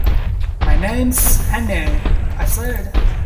“My name’s Hannay,” I said.